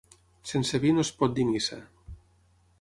Sense vi no es pot dir missa.